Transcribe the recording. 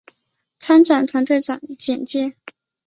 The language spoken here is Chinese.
参展团队简介